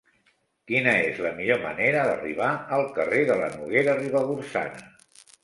Quina és la millor manera d'arribar al carrer de la Noguera Ribagorçana?